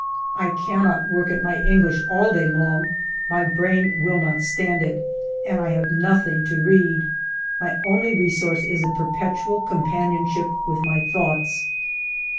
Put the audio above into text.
I cannot work at my English all day long, — my brain will not stand it, — and I have nothing to read. My only resource is a perpetual companionship with my thoughts